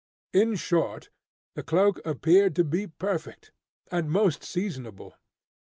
In short, the cloak appeared to be perfect, and most seasonable.